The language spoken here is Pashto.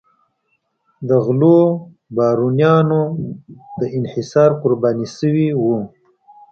د غلو بارونیانو د انحصار قرباني شوي وو.